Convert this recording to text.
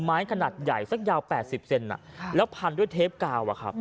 ไม้ขนาดใหญ่สักยาว๘๐เซนแล้วพันด้วยเทปกาว